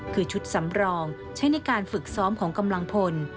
คือชุดสำรองใช้ในการฝึกซ้อมของกำลังพล